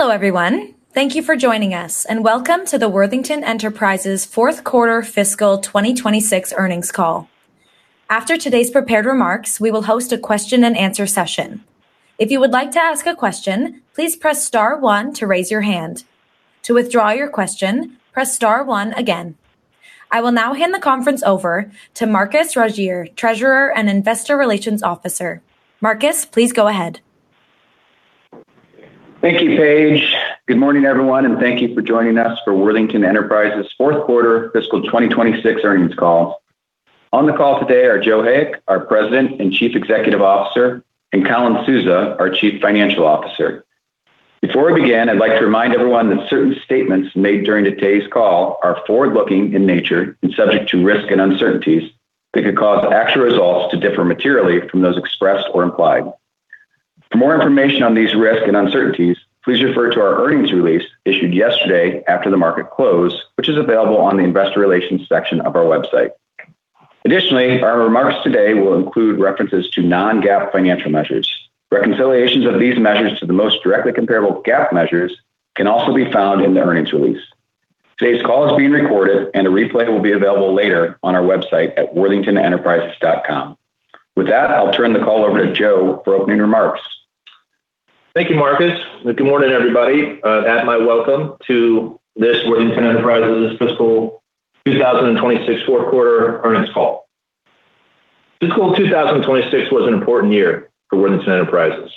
Hello, everyone. Thank you for joining us, and welcome to the Worthington Enterprises fourth quarter fiscal 2026 earnings call. After today's prepared remarks, we will host a question and answer session. If you would like to ask a question, please press star one to raise your hand. To withdraw your question, press star one again. I will now hand the conference over to Marcus Rogier, Treasurer and Investor Relations Officer. Marcus, please go ahead. Thank you, Paige. Good morning, everyone, and thank you for joining us for Worthington Enterprises fourth quarter fiscal 2026 earnings call. On the call today are Joe Hayek, our President and Chief Executive Officer, and Colin Souza, our Chief Financial Officer. Before we begin, I'd like to remind everyone that certain statements made during today's call are forward-looking in nature and subject to risk and uncertainties that could cause actual results to differ materially from those expressed or implied. For more information on these risks and uncertainties, please refer to our earnings release issued yesterday after the market close, which is available on the investor relations section of our website. Additionally, our remarks today will include references to non-GAAP financial measures. Reconciliations of these measures to the most directly comparable GAAP measures can also be found in the earnings release. Today's call is being recorded, and a replay will be available later on our website at worthingtonenterprises.com. With that, I'll turn the call over to Joe for opening remarks. Thank you, Marcus. Good morning, everybody. Add my welcome to this Worthington Enterprises fiscal 2026 fourth quarter earnings call. Fiscal 2026 was an important year for Worthington Enterprises.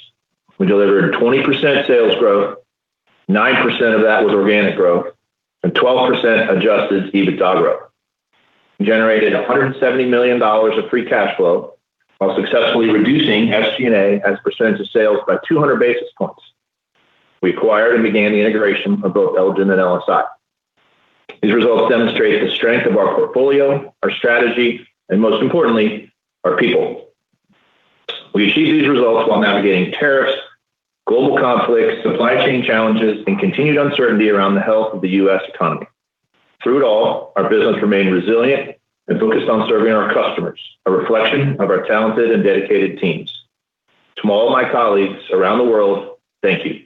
We delivered 20% sales growth, 9% of that was organic growth, and 12% adjusted EBITDA growth. We generated $170 million of free cash flow while successfully reducing SG&A as a percentage of sales by 200 basis points. We acquired and began the integration of both Elgen and LSI. These results demonstrate the strength of our portfolio, our strategy, and most importantly, our people. We achieved these results while navigating tariffs, global conflicts, supply chain challenges, and continued uncertainty around the health of the U.S. economy. Through it all, our business remained resilient and focused on serving our customers, a reflection of our talented and dedicated teams. To all my colleagues around the world, thank you.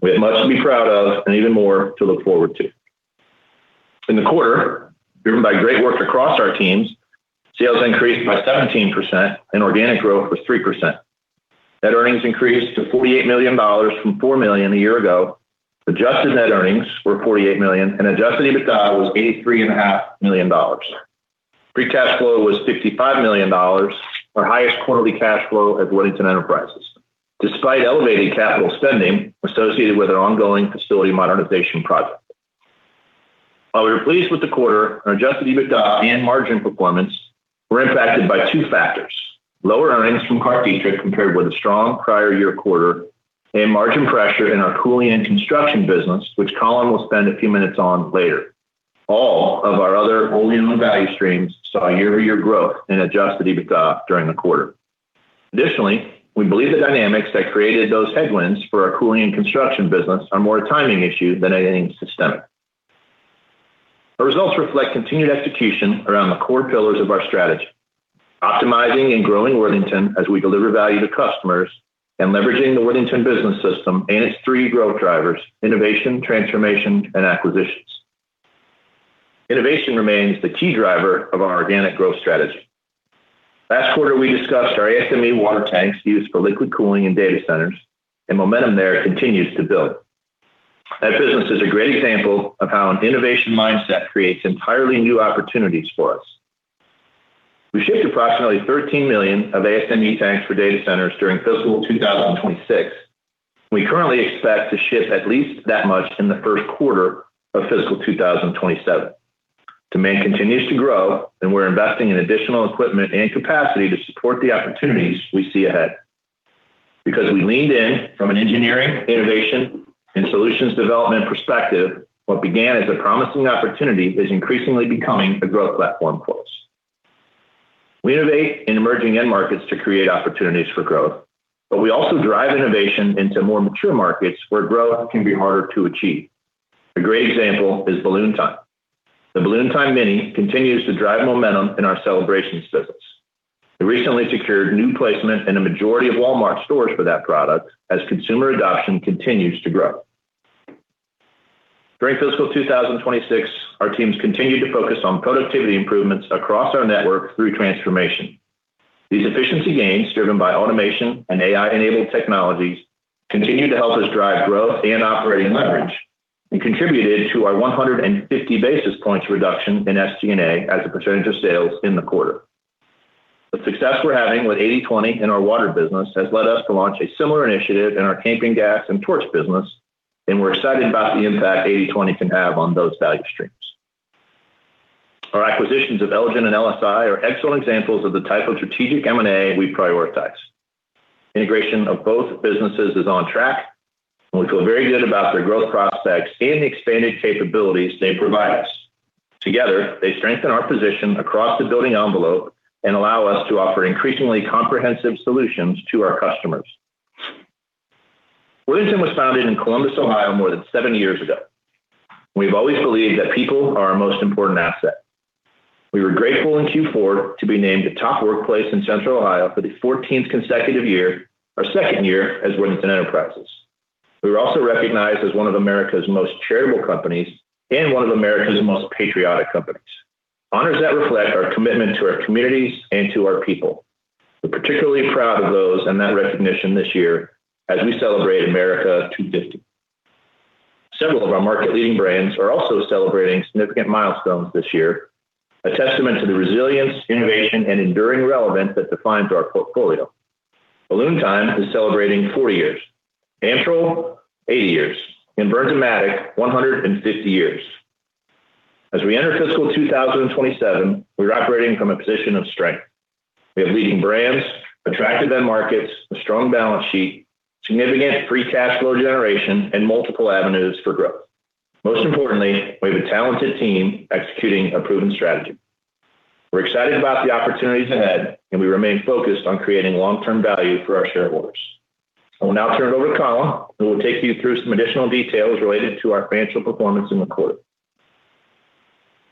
We have much to be proud of and even more to look forward to. In the quarter, driven by great work across our teams, sales increased by 17% and organic growth was 3%. Net earnings increased to $48 million from $4 million a year ago. Adjusted net earnings were $48 million, and adjusted EBITDA was $83.5 million. Free cash flow was $55 million, our highest quarterly cash flow at Worthington Enterprises, despite elevated capital spending associated with our ongoing facility modernization project. While we were pleased with the quarter, our adjusted EBITDA and margin performance were impacted by two factors: lower earnings from ClarkDietrich compared with a strong prior year quarter, and margin pressure in our cooling and construction business, which Colin will spend a few minutes on later. All of our other wholly-owned value streams saw year-over-year growth in adjusted EBITDA during the quarter. Additionally, we believe the dynamics that created those headwinds for our cooling and construction business are more a timing issue than anything systemic. Our results reflect continued execution around the core pillars of our strategy: optimizing and growing Worthington as we deliver value to customers, leveraging the Worthington business system and its three growth drivers: innovation, transformation, and acquisitions. Innovation remains the key driver of our organic growth strategy. Last quarter, we discussed our ASME water tanks used for liquid cooling in data centers, and momentum there continues to build. That business is a great example of how an innovation mindset creates entirely new opportunities for us. We shipped approximately 13 million of ASME tanks for data centers during fiscal 2026. We currently expect to ship at least that much in the first quarter of fiscal 2027. Demand continues to grow, we're investing in additional equipment and capacity to support the opportunities we see ahead. Because we leaned in from an engineering, innovation, and solutions development perspective, what began as a promising opportunity is increasingly becoming a growth platform for us. We innovate in emerging end markets to create opportunities for growth, we also drive innovation into more mature markets where growth can be harder to achieve. A great example is Balloon Time. The Balloon Time Mini continues to drive momentum in our celebrations business. We recently secured new placement in a majority of Walmart stores for that product as consumer adoption continues to grow. During fiscal 2026, our teams continued to focus on productivity improvements across our network through transformation. These efficiency gains, driven by automation and AI-enabled technologies, continued to help us drive growth and operating leverage and contributed to our 150 basis points reduction in SG&A as a percentage of sales in the quarter. The success we're having with 80/20 in our water business has led us to launch a similar initiative in our camping gas and torch business, we're excited about the impact 80/20 can have on those value streams. Our acquisitions of Elgen and LSI are excellent examples of the type of strategic M&A we prioritize. Integration of both businesses is on track, we feel very good about their growth prospects and the expanded capabilities they provide us. Together, they strengthen our position across the building envelope and allow us to offer increasingly comprehensive solutions to our customers. Worthington was founded in Columbus, Ohio, more than 70 years ago. We've always believed that people are our most important asset. We were grateful in Q4 to be named a top workplace in Central Ohio for the 14th consecutive year, our second year as Worthington Enterprises. We were also recognized as one of America's most charitable companies and one of America's most patriotic companies. Honors that reflect our commitment to our communities and to our people. We're particularly proud of those and that recognition this year as we celebrate America 250. Several of our market leading brands are also celebrating significant milestones this year, a testament to the resilience, innovation, and enduring relevance that defines our portfolio. Balloon Time is celebrating 40 years, Amtrol 80 years, and Bernzomatic 150 years. As we enter fiscal 2027, we're operating from a position of strength. We have leading brands, attractive end markets, a strong balance sheet, significant free cash flow generation, and multiple avenues for growth. Most importantly, we have a talented team executing a proven strategy. We're excited about the opportunities ahead, and we remain focused on creating long-term value for our shareholders. I will now turn it over to Colin, who will take you through some additional details related to our financial performance in the quarter.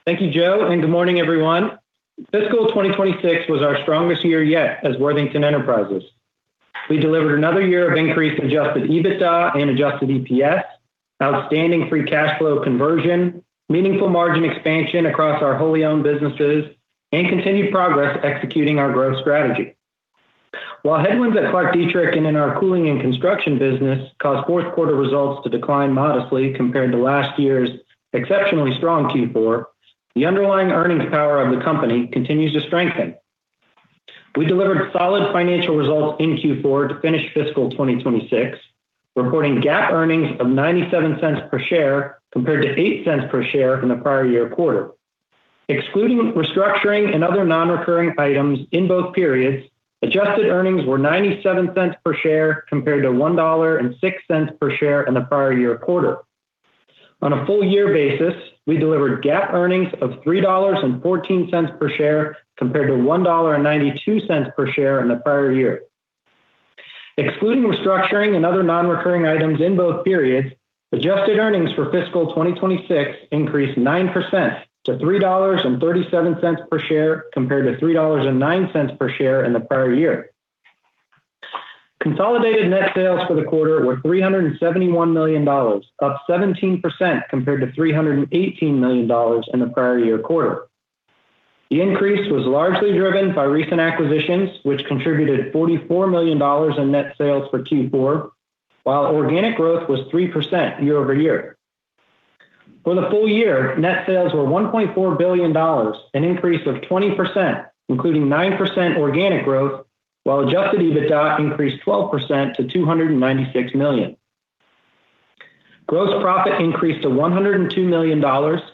Thank you, Joe, and good morning, everyone. Fiscal 2026 was our strongest year yet as Worthington Enterprises. We delivered another year of increased adjusted EBITDA and adjusted EPS, outstanding free cash flow conversion, meaningful margin expansion across our wholly owned businesses, and continued progress executing our growth strategy. While headwinds at ClarkDietrich and in our cooling and construction business caused fourth quarter results to decline modestly compared to last year's exceptionally strong Q4, the underlying earnings power of the company continues to strengthen. We delivered solid financial results in Q4 to finish fiscal 2026, reporting GAAP earnings of $0.97 per share, compared to $0.08 per share in the prior year quarter. Excluding restructuring and other non-recurring items in both periods, adjusted earnings were $0.97 per share, compared to $1.06 per share in the prior year quarter. On a full year basis, we delivered GAAP earnings of $3.14 per share, compared to $1.92 per share in the prior year. Excluding restructuring and other non-recurring items in both periods, adjusted earnings for fiscal 2026 increased 9% to $3.37 per share, compared to $3.09 per share in the prior year. Consolidated net sales for the quarter were $371 million, up 17% compared to $318 million in the prior year quarter. The increase was largely driven by recent acquisitions, which contributed $44 million in net sales for Q4, while organic growth was 3% year-over-year. For the full year, net sales were $1.4 billion, an increase of 20%, including 9% organic growth, while adjusted EBITDA increased 12% to $296 million. Gross profit increased to $102 million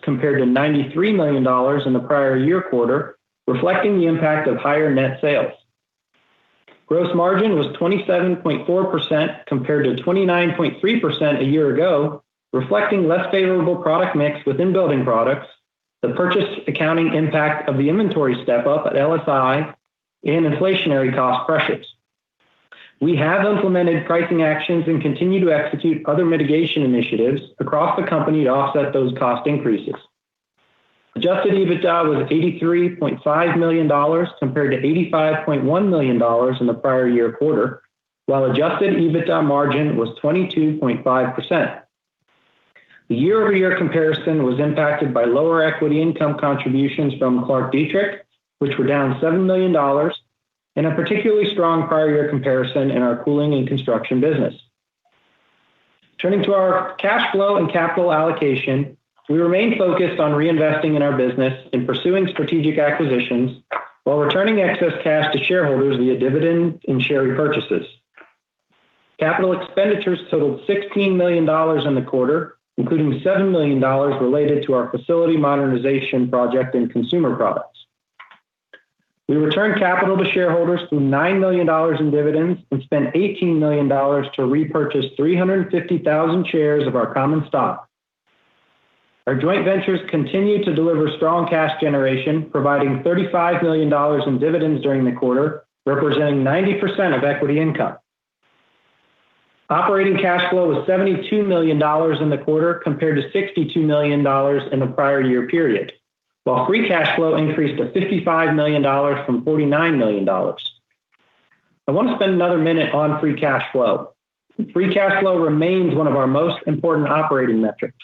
compared to $93 million in the prior year quarter, reflecting the impact of higher net sales. Gross margin was 27.4% compared to 29.3% a year ago, reflecting less favorable product mix within building products, the purchase accounting impact of the inventory step-up at LSI, and inflationary cost pressures. We have implemented pricing actions and continue to execute other mitigation initiatives across the company to offset those cost increases. Adjusted EBITDA was $83.5 million compared to $85.1 million in the prior year quarter, while adjusted EBITDA margin was 22.5%. The year-over-year comparison was impacted by lower equity income contributions from ClarkDietrich, which were down $7 million, and a particularly strong prior year comparison in our cooling and construction business. Turning to our cash flow and capital allocation, we remain focused on reinvesting in our business and pursuing strategic acquisitions while returning excess cash to shareholders via dividends and share repurchases. Capital expenditures totaled $16 million in the quarter, including $7 million related to our facility modernization project in consumer products. We returned capital to shareholders through $9 million in dividends and spent $18 million to repurchase 350,000 shares of our common stock. Our joint ventures continue to deliver strong cash generation, providing $35 million in dividends during the quarter, representing 90% of equity income. Operating cash flow was $72 million in the quarter, compared to $62 million in the prior year period, while free cash flow increased to $55 million from $49 million. I want to spend another minute on free cash flow. Free cash flow remains one of our most important operating metrics.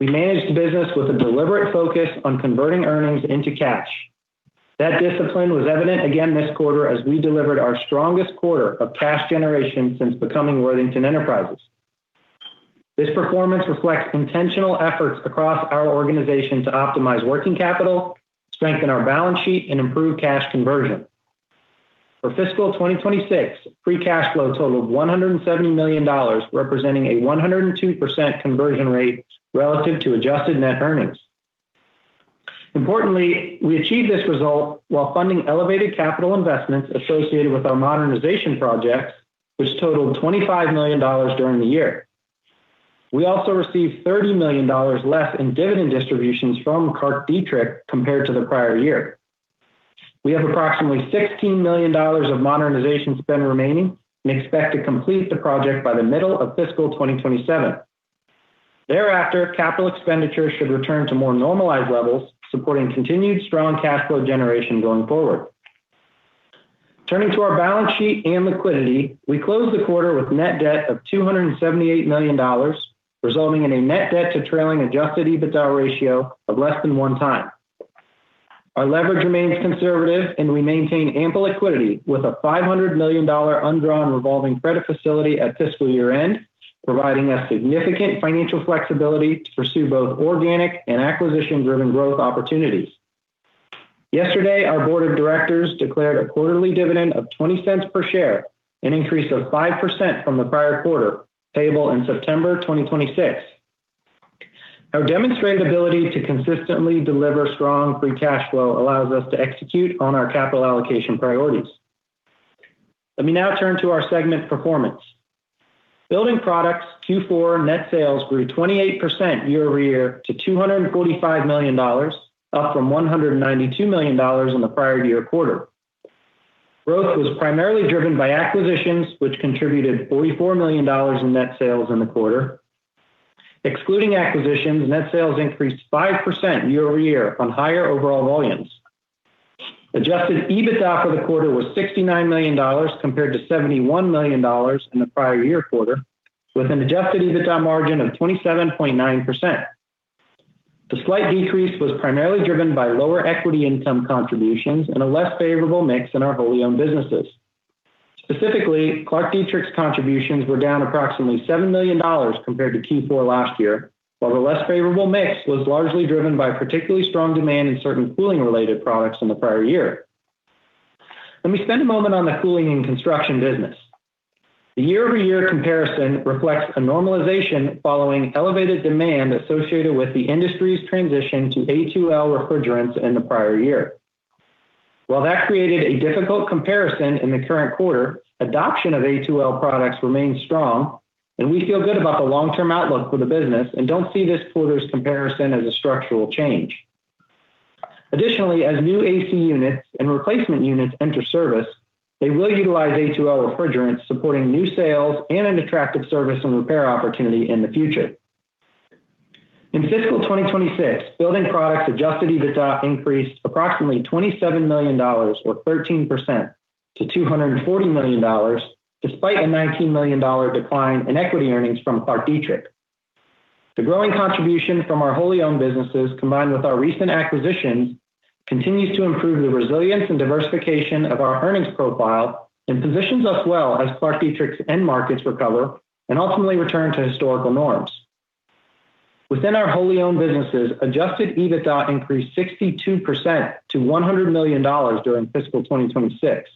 We managed the business with a deliberate focus on converting earnings into cash. That discipline was evident again this quarter as we delivered our strongest quarter of cash generation since becoming Worthington Enterprises. This performance reflects intentional efforts across our organization to optimize working capital, strengthen our balance sheet, and improve cash conversion. For fiscal 2026, free cash flow totaled $170 million, representing a 102% conversion rate relative to adjusted net earnings. Importantly, we achieved this result while funding elevated capital investments associated with our modernization projects, which totaled $25 million during the year. We also received $30 million less in dividend distributions from ClarkDietrich compared to the prior year. We have approximately $16 million of modernization spend remaining and expect to complete the project by the middle of fiscal 2027. Thereafter, capital expenditures should return to more normalized levels, supporting continued strong cash flow generation going forward. Turning to our balance sheet and liquidity, we closed the quarter with net debt of $278 million, resulting in a net debt to trailing adjusted EBITDA ratio of less than 1x. Our leverage remains conservative and we maintain ample liquidity with a $500 million undrawn revolving credit facility at fiscal year-end, providing us significant financial flexibility to pursue both organic and acquisition-driven growth opportunities. Yesterday, our Board of Directors declared a quarterly dividend of $0.20 per share, an increase of 5% from the prior quarter, payable in September 2026. Our demonstrated ability to consistently deliver strong free cash flow allows us to execute on our capital allocation priorities. Let me now turn to our segment performance. Building Products Q4 net sales grew 28% year-over-year to $245 million, up from $192 million in the prior year quarter. Growth was primarily driven by acquisitions, which contributed $44 million in net sales in the quarter. Excluding acquisitions, net sales increased 5% year-over-year on higher overall volumes. Adjusted EBITDA for the quarter was $69 million, compared to $71 million in the prior year quarter, with an adjusted EBITDA margin of 27.9%. The slight decrease was primarily driven by lower equity income contributions and a less favorable mix in our wholly owned businesses. Specifically, ClarkDietrich's contributions were down approximately $7 million compared to Q4 last year, while the less favorable mix was largely driven by particularly strong demand in certain cooling-related products in the prior year. Let me spend a moment on the cooling and construction business. The year-over-year comparison reflects a normalization following elevated demand associated with the industry's transition to A2L refrigerants in the prior year. While that created a difficult comparison in the current quarter, adoption of A2L products remains strong and we feel good about the long-term outlook for the business and don't see this quarter's comparison as a structural change. As new AC units and replacement units enter service, they will utilize A2L refrigerants, supporting new sales and an attractive service and repair opportunity in the future. In fiscal 2026, Building Products adjusted EBITDA increased approximately $27 million or 13% to $240 million, despite a $19 million decline in equity earnings from ClarkDietrich. The growing contribution from our wholly owned businesses, combined with our recent acquisitions, continues to improve the resilience and diversification of our earnings profile and positions us well as ClarkDietrich's end markets recover and ultimately return to historical norms. Within our wholly owned businesses, adjusted EBITDA increased 62% to $100 million during fiscal 2026,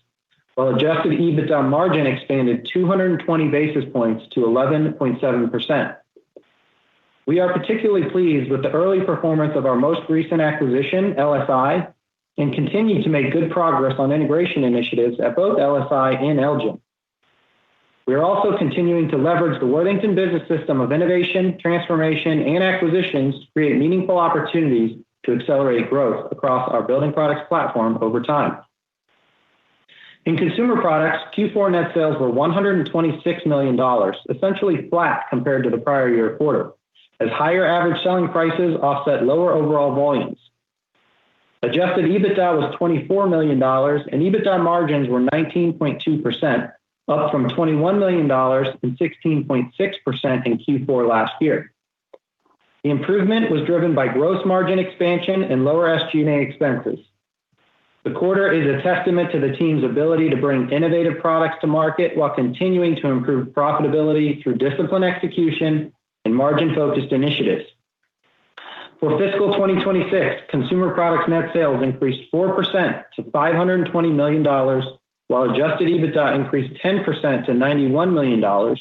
while adjusted EBITDA margin expanded 220 basis points to 11.7%. We are particularly pleased with the early performance of our most recent acquisition, LSI, and continue to make good progress on integration initiatives at both LSI and Elgen. We are also continuing to leverage the Worthington business system of innovation, transformation, and acquisitions to create meaningful opportunities to accelerate growth across our Building Products platform over time. In Consumer Products, Q4 net sales were $126 million, essentially flat compared to the prior year quarter, as higher average selling prices offset lower overall volumes. Adjusted EBITDA was $24 million, and EBITDA margins were 19.2%, up from $21 million and 16.6% in Q4 last year. The improvement was driven by gross margin expansion and lower SG&A expenses. The quarter is a testament to the team's ability to bring innovative products to market while continuing to improve profitability through disciplined execution and margin-focused initiatives. Fiscal 2026, Consumer Products net sales increased 4% to $520 million, while adjusted EBITDA increased 10% to $91 million,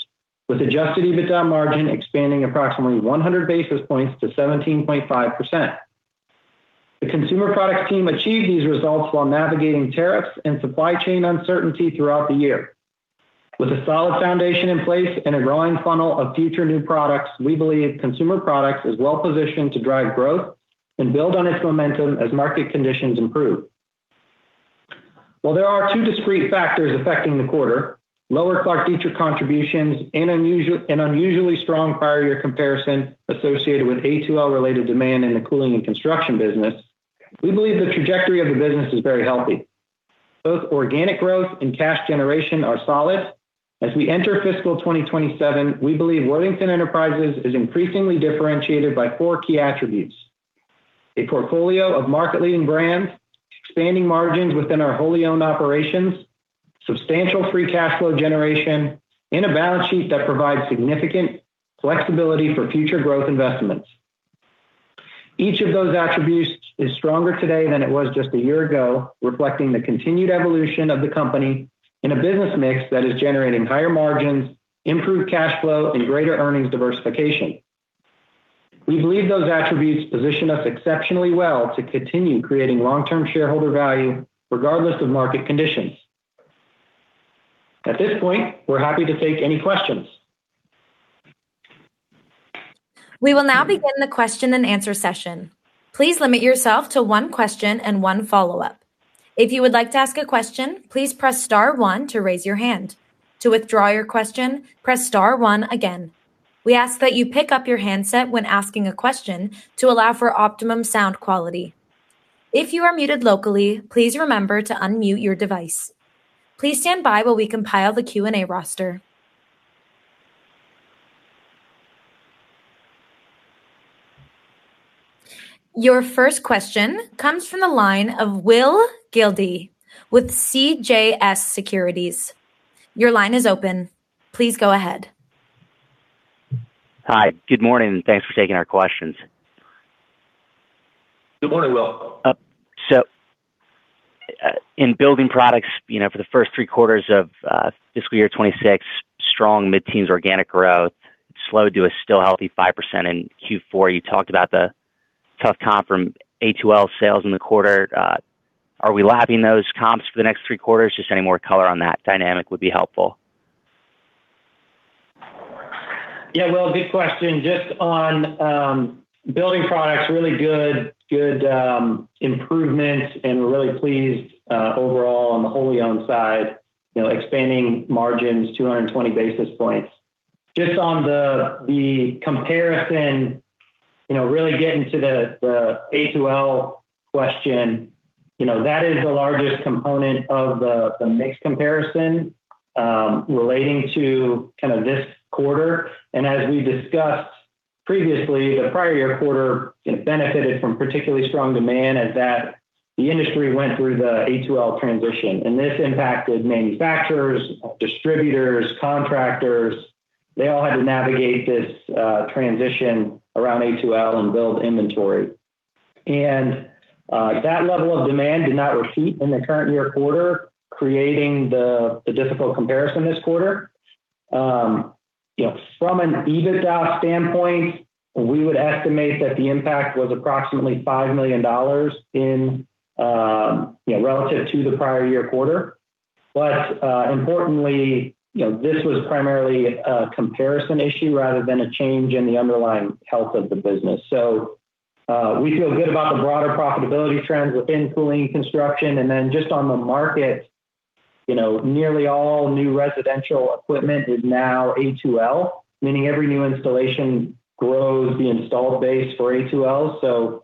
with adjusted EBITDA margin expanding approximately 100 basis points to 17.5%. The Consumer Products team achieved these results while navigating tariffs and supply chain uncertainty throughout the year. A solid foundation in place and a growing funnel of future new products, we believe Consumer Products is well positioned to drive growth and build on its momentum as market conditions improve. There are two discrete factors affecting the quarter, lower ClarkDietrich contributions and an unusually strong prior year comparison associated with A2L-related demand in the cooling and construction business. We believe the trajectory of the business is very healthy. Both organic growth and cash generation are solid. As we enter fiscal 2027, we believe Worthington Enterprises is increasingly differentiated by four key attributes: a portfolio of market-leading brands, expanding margins within our wholly owned operations, substantial free cash flow generation, and a balance sheet that provides significant flexibility for future growth investments. Each of those attributes is stronger today than it was just a year ago, reflecting the continued evolution of the company in a business mix that is generating higher margins, improved cash flow, and greater earnings diversification. We believe those attributes position us exceptionally well to continue creating long-term shareholder value regardless of market conditions. At this point, we're happy to take any questions. We will now begin the question and answer session. Please limit yourself to one question and one follow-up. If you would like to ask a question, please press star one to raise your hand. To withdraw your question, press star one again. We ask that you pick up your handset when asking a question to allow for optimum sound quality. If you are muted locally, please remember to unmute your device. Please stand by while we compile the Q and A roster. Your first question comes from the line of Will Gildea with CJS Securities. Your line is open. Please go ahead. Hi, good morning. Thanks for taking our questions. Good morning, Will. In Building Products, for the first three quarters of fiscal year 2026, strong mid-teens organic growth slowed to a still healthy 5% in Q4. You talked about the tough comp from A2L sales in the quarter. Are we labbing those comps for the next three quarters? Any more color on that dynamic would be helpful. Will, good question. On Building Products, really good improvement and we're really pleased overall on the wholly owned side, expanding margins 220 basis points. On the comparison, really getting to the A2L question, that is the largest component of the mix comparison relating to this quarter. As we discussed previously, the prior year quarter benefited from particularly strong demand as the industry went through the A2L transition. This impacted manufacturers, distributors, contractors. They all had to navigate this transition around A2L and build inventory. That level of demand did not repeat in the current year quarter, creating the difficult comparison this quarter. From an EBITDA standpoint, we would estimate that the impact was approximately $5 million relative to the prior year quarter. Importantly, this was primarily a comparison issue rather than a change in the underlying health of the business. We feel good about the broader profitability trends within cooling construction. On the market, nearly all new residential equipment is now A2L, meaning every new installation grows the installed base for A2L.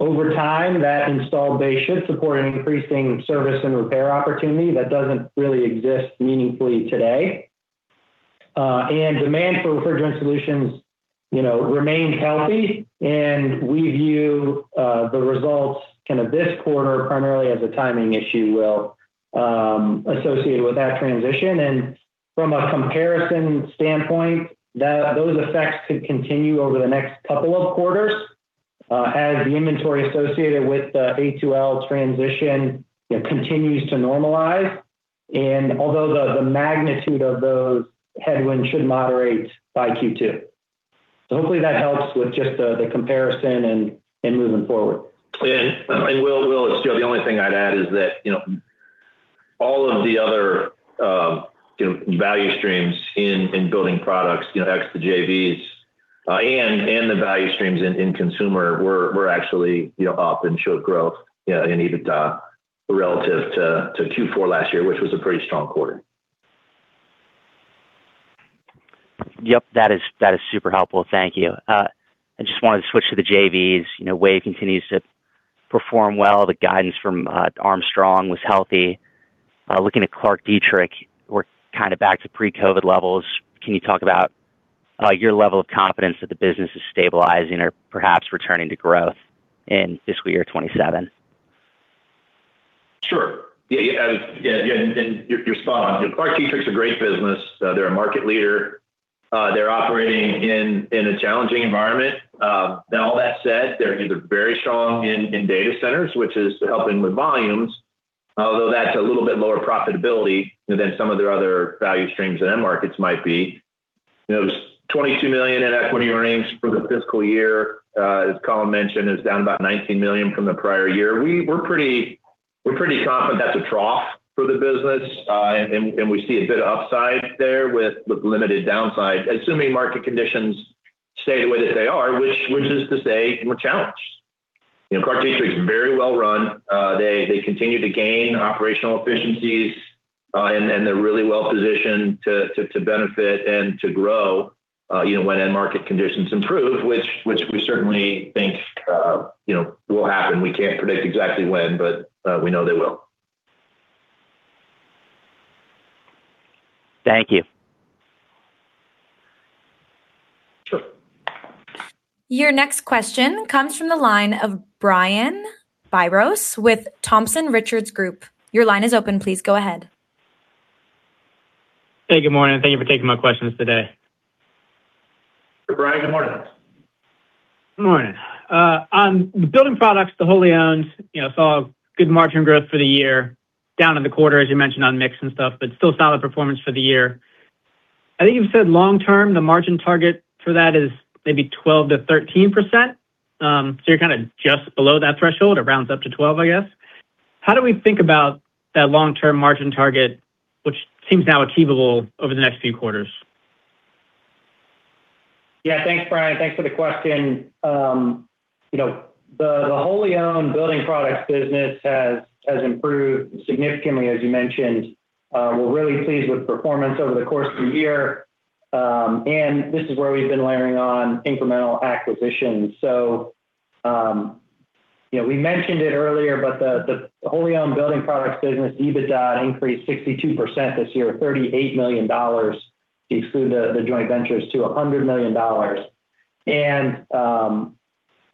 Over time, that installed base should support an increasing service and repair opportunity that doesn't really exist meaningfully today. Demand for refrigerant solutions remained healthy, and we view the results of this quarter primarily as a timing issue, Will, associated with that transition. From a comparison standpoint, those effects could continue over the next couple of quarters as the inventory associated with the A2L transition continues to normalize, and although the magnitude of those headwinds should moderate by Q2. Hopefully that helps with just the comparison and moving forward. Will, the only thing I'd add is that all of the other value streams in Building Products, ex the JVs, and the value streams in consumer were actually up and showed growth in EBITDA relative to Q4 last year, which was a pretty strong quarter. Yep, that is super helpful. Thank you. I just wanted to switch to the JVs. WAVE continues to perform well. The guidance from Armstrong was healthy. Looking at ClarkDietrich, we're kind of back to pre-COVID levels. Can you talk about your level of confidence that the business is stabilizing or perhaps returning to growth in fiscal year 2027? Sure. You're spot on. ClarkDietrich's a great business. They're a market leader. They're operating in a challenging environment. Now all that said, they're very strong in data centers, which is helping with volumes, although that's a little bit lower profitability than some of their other value streams in end markets might be. It was $22 million in equity earnings for the fiscal year. As Colin mentioned, it's down about $19 million from the prior year. We're pretty confident that's a trough for the business. We see a bit of upside there with limited downside, assuming market conditions stay the way that they are, which is to say we're challenged. ClarkDietrich is very well run. They continue to gain operational efficiencies. They're really well positioned to benefit and to grow when end market conditions improve, which we certainly think will happen. We can't predict exactly when, we know they will. Thank you. Sure. Your next question comes from the line of Brian Biros with Thompson Research Group. Your line is open. Please go ahead. Hey, good morning. Thank you for taking my questions today. Hey, Brian. Good morning. Good morning. On Building Products, the wholly owned, saw good margin growth for the year down in the quarter, as you mentioned on mix and stuff, but still solid performance for the year. I think you've said long-term, the margin target for that is maybe 12%-13%, so you're kind of just below that threshold. It rounds up to 12%, I guess. How do we think about that long-term margin target, which seems now achievable over the next few quarters? Thanks, Brian. Thanks for the question. The wholly owned building products business has improved significantly, as you mentioned. We're really pleased with performance over the course of the year, and this is where we've been layering on incremental acquisitions. We mentioned it earlier, the wholly owned Building Products business, EBITDA increased 62% this year, $38 million, if you include the joint ventures to $100 million.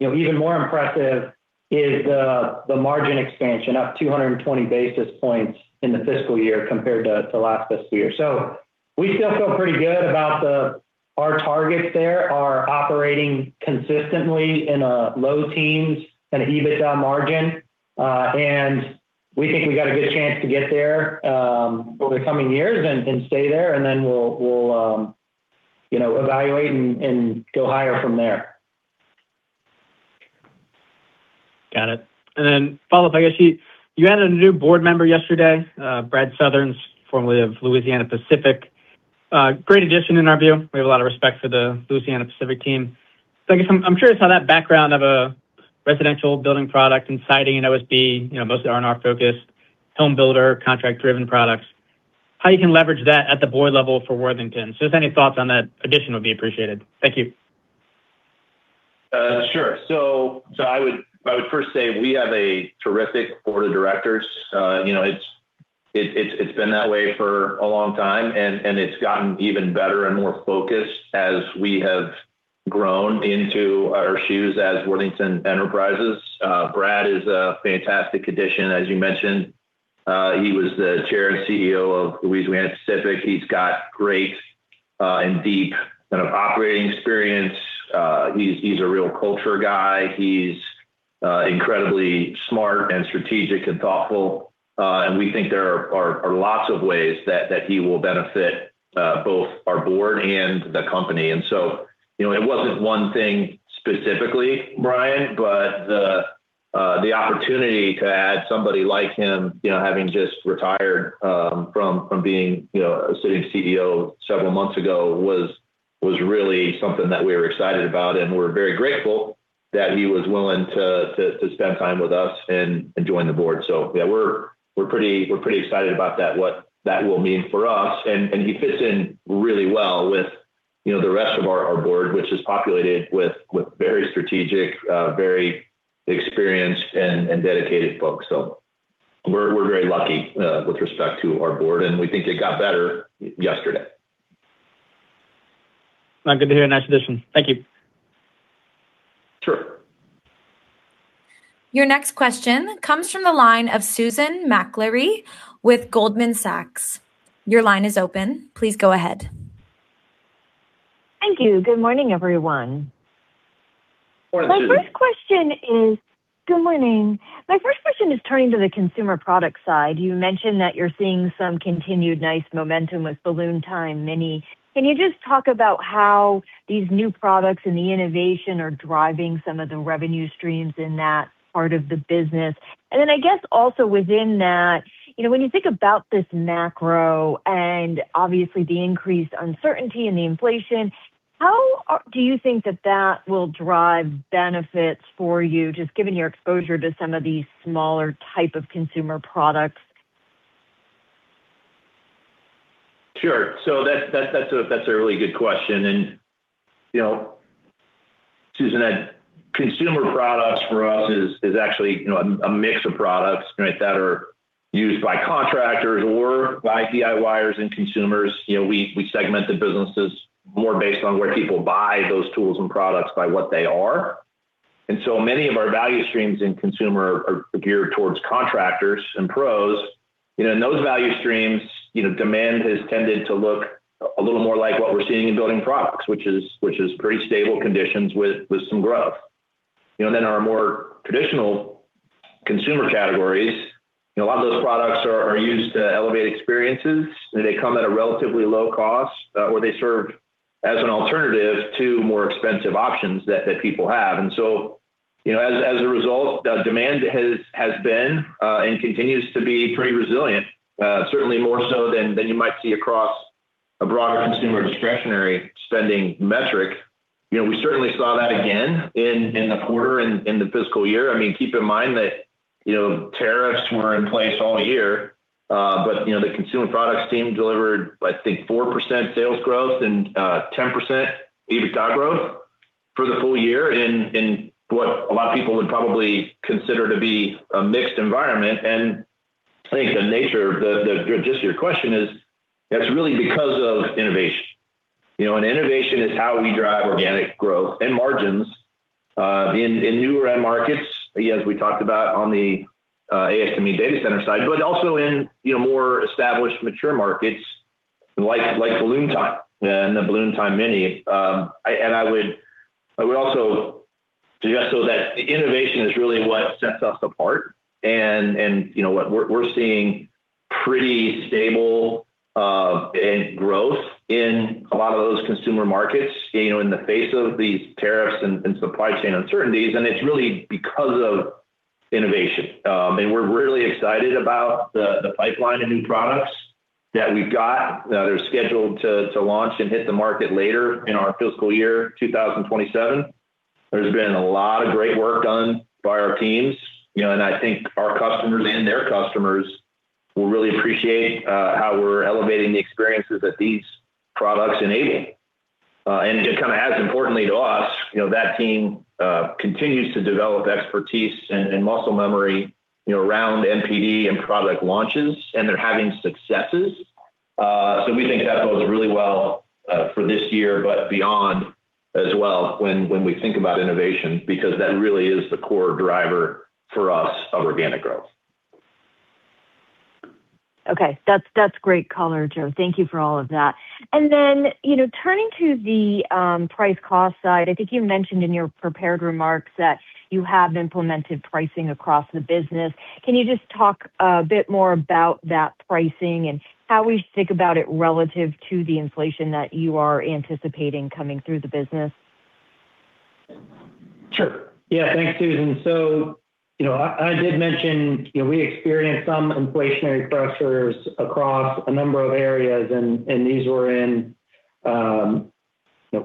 Even more impressive is the margin expansion up 220 basis points in the fiscal year compared to the last fiscal year. We still feel pretty good about our targets there, are operating consistently in a low teens kind of EBITDA margin. We think we've got a good chance to get there, over the coming years and stay there. We'll evaluate and go higher from there. Got it. A follow-up, I guess, you added a new Board member yesterday, Brad Southern, formerly of Louisiana-Pacific. Great addition in our view. We have a lot of respect for the Louisiana-Pacific team. I guess I'm curious how that background of a residential building product and siding and OSB, mostly R&R focused home builder, contract-driven products, how you can leverage that at the Board level for Worthington. Just any thoughts on that addition would be appreciated. Thank you. Sure. I would first say we have a terrific Board of Directors. It's been that way for a long time, and it's gotten even better and more focused as we have grown into our shoes as Worthington Enterprises. Brad is a fantastic addition. As you mentioned, he was the Chair and CEO of Louisiana-Pacific. He's got great and deep kind of operating experience. He's a real culture guy. He's incredibly smart and strategic and thoughtful. We think there are lots of ways that he will benefit both our Board and the company. It wasn't one thing specifically, Brian, but the opportunity to add somebody like him, having just retired from being a sitting CEO several months ago was really something that we were excited about. We're very grateful that he was willing to spend time with us and join the Board. We're pretty excited about that, what that will mean for us. He fits in really well with the rest of our Board, which is populated with very strategic, very experienced, and dedicated folks. We're very lucky with respect to our Board, and we think it got better yesterday. Good to hear. Nice addition. Thank you. Sure. Your next question comes from the line of Susan Maklari with Goldman Sachs. Your line is open. Please go ahead. Thank you. Good morning, everyone. Good morning, Susan. Good morning. My first question is turning to the consumer product side. You mentioned that you're seeing some continued nice momentum with Balloon Time Mini. Can you just talk about how these new products and the innovation are driving some of the revenue streams in that part of the business? I guess also within that, when you think about this macro and obviously the increased uncertainty and the inflation, how do you think that that will drive benefits for you, just given your exposure to some of these smaller type of consumer products? Sure. That's a really good question. Susan, Consumer Products for us is actually a mix of products that are used by contractors or by DIYers and consumers. We segment the businesses more based on where people buy those tools and products by what they are. Many of our value streams in Consumer are geared towards contractors and pros. In those value streams, demand has tended to look a little more like what we're seeing in Building Products, which is pretty stable conditions with some growth. Our more traditional consumer categories, a lot of those products are used to elevate experiences. They come at a relatively low cost, or they serve as an alternative to more expensive options that people have. As a result, demand has been and continues to be pretty resilient. Certainly more so than you might see across a broader consumer discretionary spending metric. We certainly saw that again in the quarter, in the fiscal year. Keep in mind that tariffs were in place all year. The Consumer Products team delivered, I think 4% sales growth and 10% EBITDA growth for the full year in what a lot of people would probably consider to be a mixed environment. I think the nature of the gist of your question is, that's really because of innovation. Innovation is how we drive organic growth and margins, in newer end markets, as we talked about on the ASME data center side, but also in more established, mature markets like Balloon Time and the Balloon Time Mini. I would also suggest that innovation is really what sets us apart. We're seeing pretty stable growth in a lot of those consumer markets, in the face of these tariffs and supply chain uncertainties. It's really because of innovation. We're really excited about the pipeline of new products that we've got, that are scheduled to launch and hit the market later in our fiscal year 2027. There's been a lot of great work done by our teams. I think our customers and their customers will really appreciate how we're elevating the experiences that these products enable. Just as importantly to us, that team continues to develop expertise and muscle memory around NPD and product launches, and they're having successes. We think that bodes really well for this year, but beyond as well when we think about innovation, because that really is the core driver for us of organic growth. Okay. That's great color, Joe. Thank you for all of that. Turning to the price cost side, I think you mentioned in your prepared remarks that you have implemented pricing across the business. Can you just talk a bit more about that pricing and how we should think about it relative to the inflation that you are anticipating coming through the business? Sure. Yeah. Thanks, Susan. I did mention we experienced some inflationary pressures across a number of areas, and these were in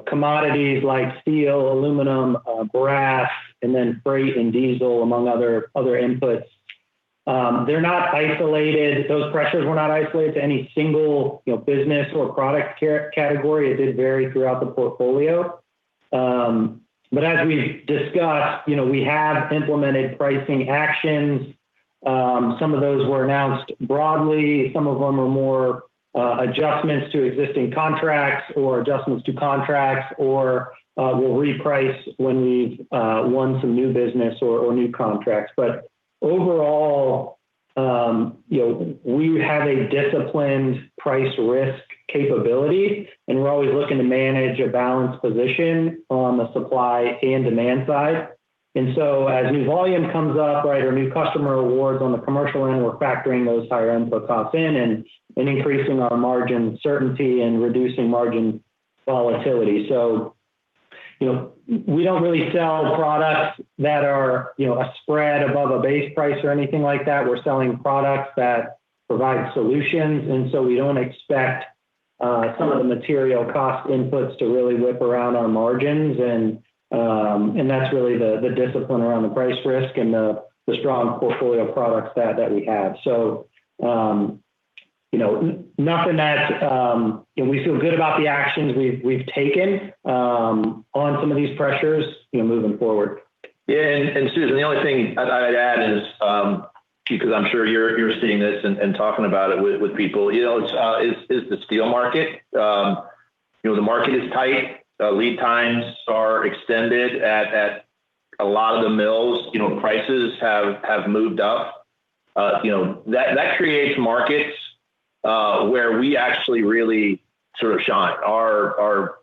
commodities like steel, aluminum, brass, and then freight and diesel, among other inputs. Those pressures were not isolated to any single business or product category. It did vary throughout the portfolio. As we discussed, we have implemented pricing actions. Some of those were announced broadly, some of them are more adjustments to existing contracts or adjustments to contracts, or we'll reprice when we've won some new business or new contracts. Overall, we have a disciplined price-risk capability, and we're always looking to manage a balanced position on the supply and demand side. As new volume comes up, or new customer awards on the commercial end, we're factoring those higher input costs in and increasing our margin certainty and reducing margin volatility. We don't really sell products that are a spread above a base price or anything like that. We're selling products that provide solutions. We don't expect some of the material cost inputs to really whip around our margins and that's really the discipline around the price risk and the strong portfolio of products that we have. We feel good about the actions we've taken on some of these pressures moving forward. Yeah. Susan, the only thing I'd add is, because I'm sure you're seeing this and talking about it with people, is the steel market. The market is tight. Lead times are extended at a lot of the mills. Prices have moved up. That creates markets where we actually really sort of shine. Our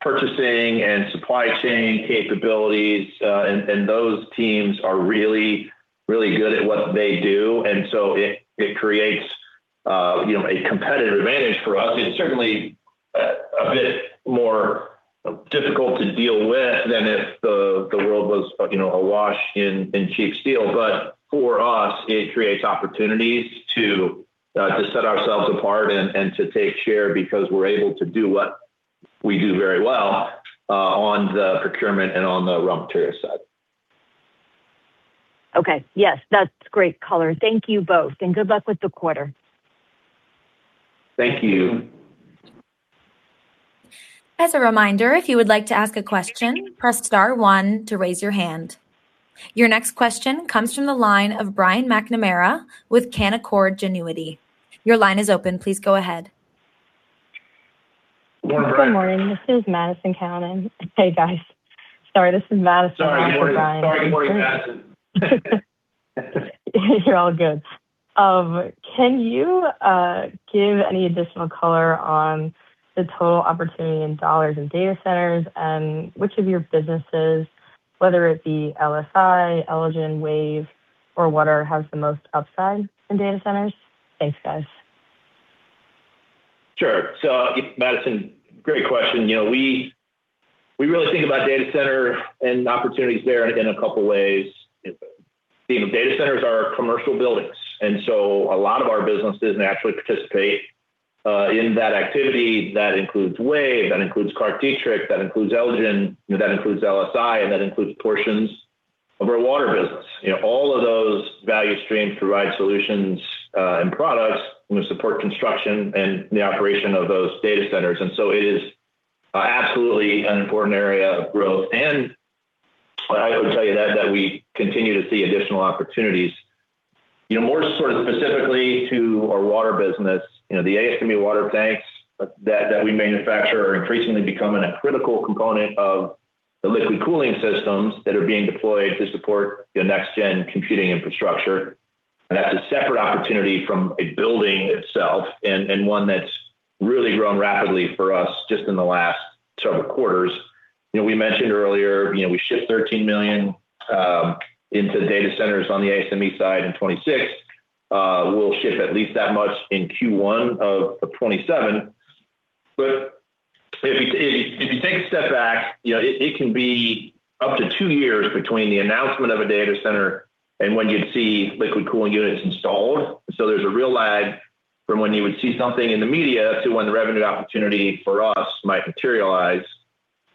purchasing and supply chain capabilities, and those teams are really good at what they do. It creates a competitive advantage for us. It's certainly a bit more difficult to deal with than if the world was awash in cheap steel. For us, it creates opportunities to set ourselves apart and to take share because we're able to do what we do very well on the procurement and on the raw material side. Okay. Yes, that's great color. Thank you both. Good luck with the quarter. Thank you. As a reminder, if you would like to ask a question, press star one to raise your hand. Your next question comes from the line of Brian McNamara with Canaccord Genuity. Your line is open. Please go ahead. Good morning, Brian. Good morning. This is Madison Callinan. Hey, guys. Sorry, this is Madison. Sorry, Madison. Sorry, good morning, Madison. You're all good. Can you give any additional color on the total opportunity in dollars in data centers? Which of your businesses, whether it be LSI, Elgen, WAVE, or Water has the most upside in data centers? Thanks, guys. Sure. Madison, great question. We really think about data center and the opportunities there in a couple of ways. Data centers are commercial buildings. A lot of our businesses naturally participate in that activity. That includes WAVE, that includes ClarkDietrich, that includes Elgen, that includes LSI, and that includes portions of our Water business. All of those value streams provide solutions and products which support construction and the operation of those data centers. It is absolutely an important area of growth. I would tell you that we continue to see additional opportunities. More specifically to our Water business, the ASME water tanks that we manufacture are increasingly becoming a critical component of the liquid cooling systems that are being deployed to support your next-gen computing infrastructure. That's a separate opportunity from a building itself, and one that's really grown rapidly for us just in the last several quarters. We mentioned earlier, we shipped $13 million into data centers on the ASME side in 2026. We'll ship at least that much in Q1 of 2027. If you take a step back, it can be up to two years between the announcement of a data center and when you'd see liquid cooling units installed. There's a real lag from when you would see something in the media to when the revenue opportunity for us might materialize.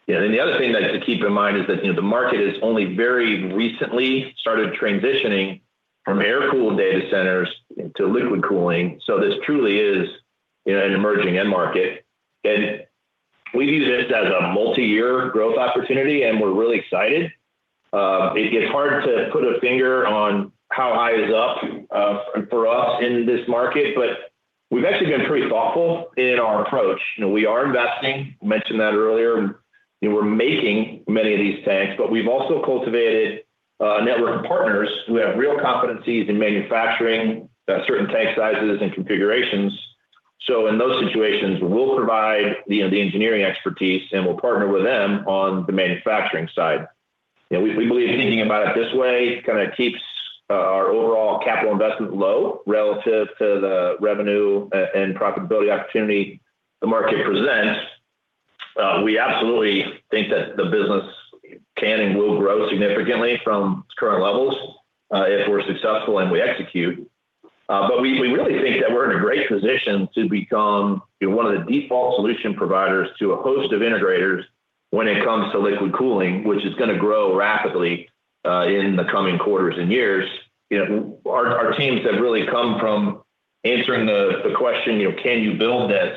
The other thing to keep in mind is that the market has only very recently started transitioning from air-cooled data centers to liquid cooling. This truly is an emerging end market, and we view this as a multi-year growth opportunity, and we're really excited. It's hard to put a finger on how high is up for us in this market. We've actually been pretty thoughtful in our approach. We are investing, mentioned that earlier, and we're making many of these tanks. We've also cultivated a network of partners who have real competencies in manufacturing certain tank sizes and configurations. In those situations, we'll provide the engineering expertise, and we'll partner with them on the manufacturing side. We believe thinking about it this way keeps our overall capital investment low relative to the revenue and profitability opportunity the market presents. We absolutely think that the business can and will grow significantly from its current levels if we're successful and we execute. We really think that we're in a great position to become one of the default solution providers to a host of integrators when it comes to liquid cooling, which is going to grow rapidly in the coming quarters and years. Our teams have really come from answering the question, can you build this?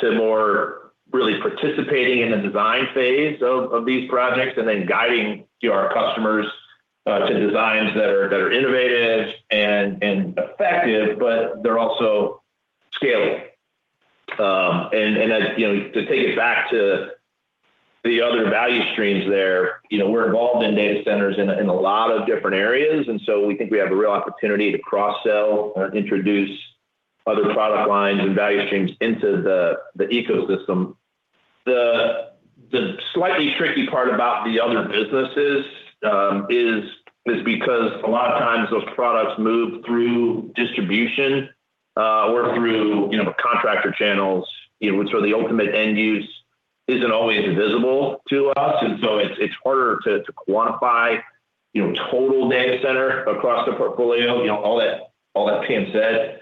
To more really participating in the design phase of these projects and then guiding our customers to designs that are innovative and effective. They're also scalable. To take it back to the other value streams there, we're involved in data centers in a lot of different areas. We think we have a real opportunity to cross-sell or introduce other product lines and value streams into the ecosystem. The slightly tricky part about the other businesses is because a lot of times those products move through distribution or through contractor channels, so the ultimate end use isn't always visible to us. It's harder to quantify total data center across the portfolio. All that being said,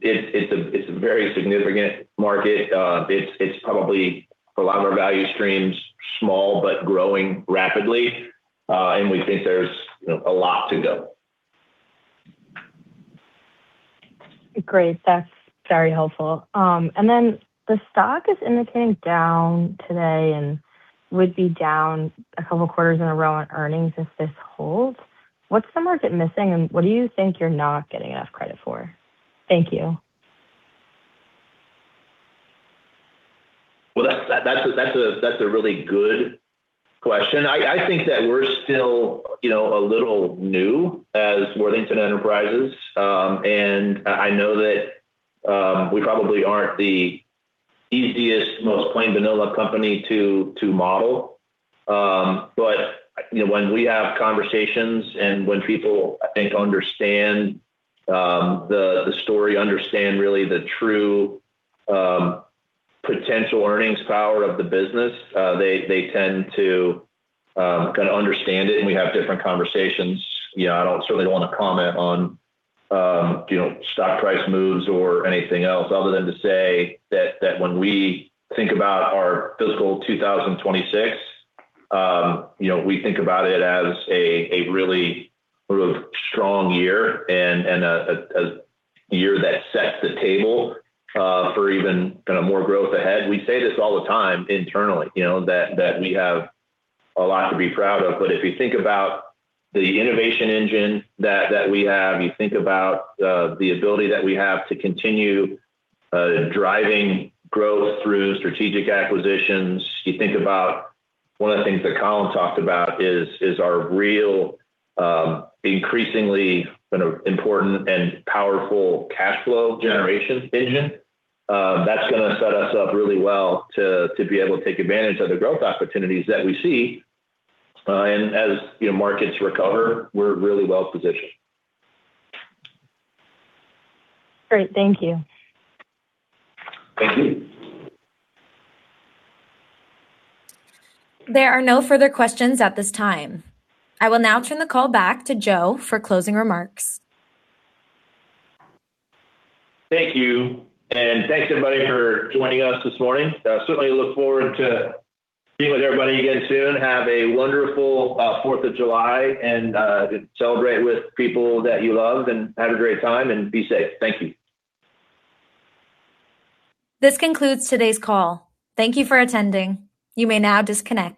it's a very significant market. It's probably, for a lot of our value streams, small but growing rapidly, and we think there's a lot to go. Great. That's very helpful. The stock is indicating down today and would be down a couple of quarters in a row on earnings if this holds. What's the market missing, and what do you think you're not getting enough credit for? Thank you. Well, that's a really good question. I think that we're still a little new as Worthington Enterprises, and I know that we probably aren't the easiest, most plain vanilla company to model. When we have conversations and when people, I think, understand the story, understand really the true potential earnings power of the business, they tend to understand it, and we have different conversations. I don't certainly want to comment on stock price moves or anything else other than to say that when we think about our fiscal 2026, we think about it as a really strong year and a year that sets the table for even more growth ahead. We say this all the time internally, that we have a lot to be proud of. If you think about the innovation engine that we have, you think about the ability that we have to continue driving growth through strategic acquisitions. You think about one of the things that Colin talked about is our real, increasingly important and powerful cash flow generation engine. That's going to set us up really well to be able to take advantage of the growth opportunities that we see. As markets recover, we're really well-positioned. Great. Thank you. Thank you. There are no further questions at this time. I will now turn the call back to Joe for closing remarks. Thank you, thanks, everybody, for joining us this morning. Certainly look forward to being with everybody again soon. Have a wonderful Fourth of July, celebrate with people that you love and have a great time and be safe. Thank you. This concludes today's call. Thank you for attending. You may now disconnect.